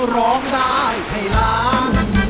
ร้องได้ให้ล้าน